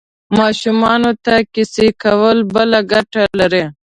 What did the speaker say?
ماشومانو ته کیسې کول بله ګټه لري.